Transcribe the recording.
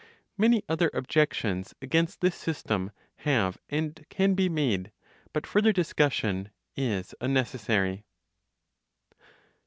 Many other objections against this system have and can be made; but further discussion is unnecessary.